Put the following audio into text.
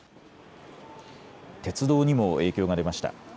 鉄道にも影響が出ました。